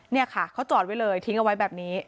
นี่ค่ะเขาจอดไว้เลยทิ้งเอาไว้แบบนี้